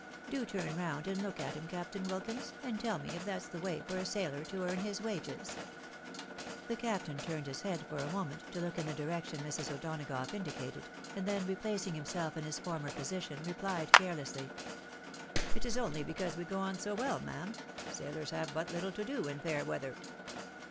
Do turn round and look at him. Captain Wilkins, and tell me if that's the way for a sailor to earn his wages ?" The captain turned his head for a moment to look in the direction Mrs. O'Donagough indicated, and then replacing himself in his former position, replied carelessly —" It is only because we go on so well, ma'am. Sailors have but little to do in fair weather."